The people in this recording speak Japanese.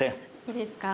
いいですか？